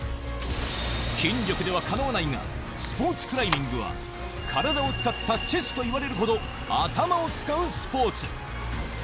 筋力ではかなわないが、スポーツクライミングは、体を使ったチェスといわれるほど頭を使うスポーツ。